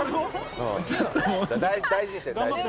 大事にしてね、大事に。